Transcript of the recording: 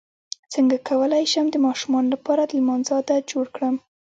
څنګه کولی شم د ماشومانو لپاره د لمانځه عادت جوړ کړم